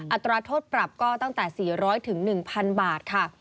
อัตราโทษปรับก็ตั้งแต่สี่ร้อยถึงหนึ่งพันบาทค่ะ